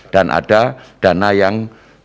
dan ada dana yang